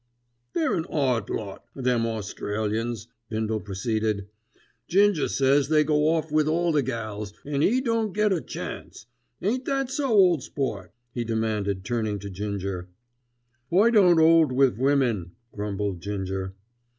"They're an 'ot lot, them Australians," Bindle proceeded. "Ginger says they go off with all the gals, an' 'e don't get a chance. Aint that so, ole sport?" he demanded turning to Ginger. "I don't 'old wiv women," grumbled Ginger.